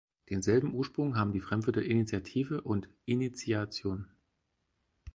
Denselben Ursprung haben die Fremdwörter Initiative und Initiation.